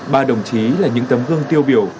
ba đồng chí là những tấm gương tiêu biểu